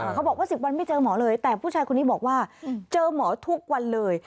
เขาบอกว่า๑๐วันไม่เจอหมอเลยแต่ผู้ชายคนนี้บอกว่าเจอหมอทุกวันเลย